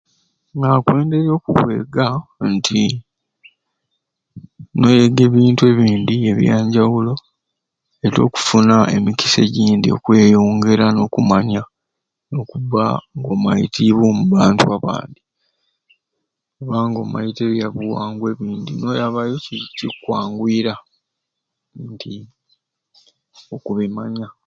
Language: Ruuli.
Nakwenderye okubyega nti noyega ebintu ebindi ebyanjawulo nti okufuna emikisa egyindi okweyongera nokumanya okuba omaitibwe omu bantu abandi kubanga omaite ebyabuwangwa ebindi noyabayo ki kikwanguyira nti okubimanya